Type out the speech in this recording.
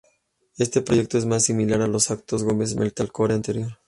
Este proyecto es más similar a los actos Gomes metalcore anterior.